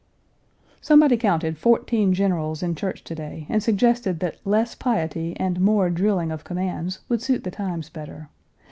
Somebody counted fourteen generals in church to day, and suggested that less piety and more drilling of commands would suit the times better.